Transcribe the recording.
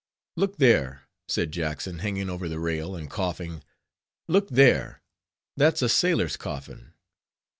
"Look there," said Jackson, hanging over the rail and coughing—"look there; that's a sailor's coffin.